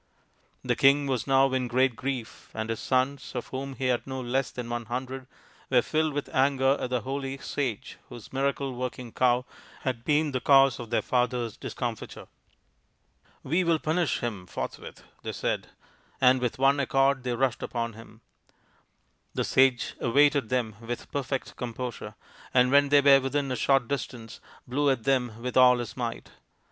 The king was now in great grief, and his sons, of whom he had no less than one hundred, were filled with anger at the holy sage whose miracle working cow had been the cause of their father's discomfiture. " We will punish him forthwith," they said, and with one accord they rushed upon him. The sage awaited them with perfect composure, and when they were within a short distance blew at them with all his might.